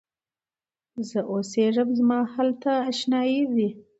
زه اوسېږمه زما هلته آشیانې دي